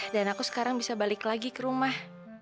dan aku sekarang bisa balik lagi ke rumah